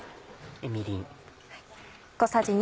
みりん。